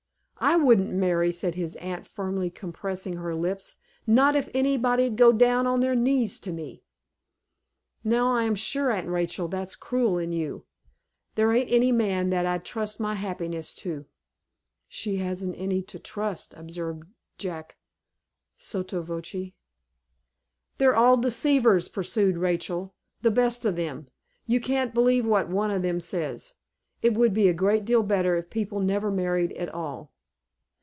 "I wouldn't marry," said his aunt, firmly compressing her lips, "not if anybody'd go down on their knees to me." "Now I am sure, Aunt Rachel, that's cruel in you." "There ain't any man that I'd trust my happiness to." "She hasn't any to trust," observed Jack, sotto voce. "They're all deceivers," pursued Rachel, "the best of 'em. You can't believe what one of 'em says. It would be a great deal better if people never married at all."